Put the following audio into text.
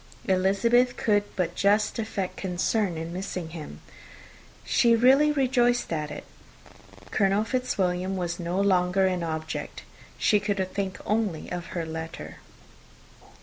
Elizabeth could but just affect concern in missing him; she really rejoiced at it. Colonel Fitzwilliam was no longer an object. She could think only of her letter.